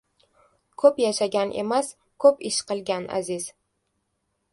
• Ko‘p yashagan emas, ko‘p ish qilgan aziz.